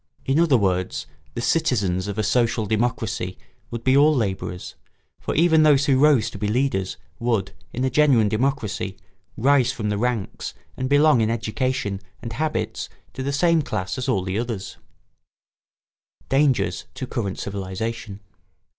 In other words, the citizens of a social democracy would be all labourers; for even those who rose to be leaders would, in a genuine democracy, rise from the ranks and belong in education and habits to the same class as all the others. [Sidenote: Dangers to current civilisation.